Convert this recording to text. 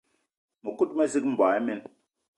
Mëkudgë mezig, mboigi imen